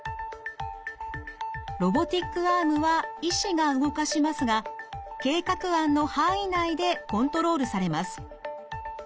ロボティックアームは医師が動かしますが計画案の範囲内でコントロールされます。